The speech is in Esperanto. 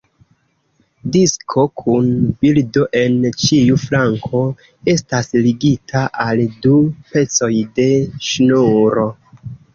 Disko kun bildo en ĉiu flanko estas ligita al du pecoj de ŝnuro.